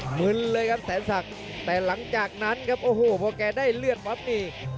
มึนเลยครับแสนศักดิ์แต่หลังจากนั้นครับโอ้โหพอแกได้เลือดปั๊บนี่